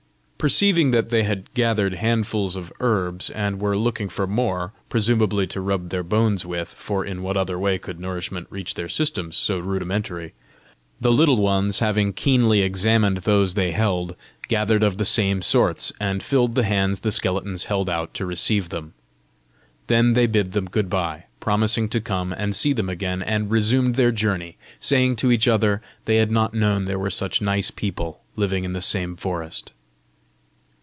Perceiving that they had gathered handfuls of herbs, and were looking for more presumably to rub their bones with, for in what other way could nourishment reach their system so rudimentary? the Little Ones, having keenly examined those they held, gathered of the same sorts, and filled the hands the skeletons held out to receive them. Then they bid them goodbye, promising to come and see them again, and resumed their journey, saying to each other they had not known there were such nice people living in the same forest.